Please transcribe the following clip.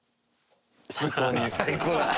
最高だ！